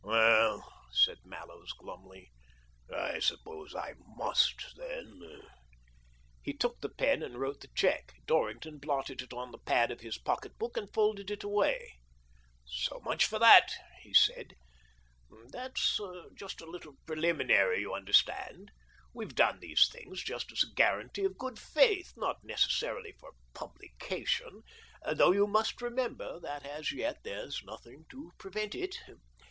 Well," said Mallows glumly, " I suppose I must, then." He took the pen and wrote the cheque. Dorrington blotted it on the pad of his pocket book and folded it away. " So much for that !" he said. " That's Just a little preliminary, you understand. We've done these little things just as a guarantee of good faith 186 TEE DOBRINGTON DEED BOX — not necessarily for publication, though you must remember that as yet there's nothing to prevent it.